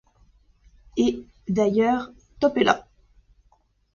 Et, d’ailleurs, Top est là !..